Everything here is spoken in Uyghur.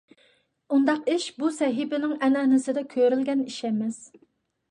ئۇنداق ئىش بۇ سەھىپىنىڭ ئەنئەنىسىدە كۆرۈلگەن ئىش ئەمەس.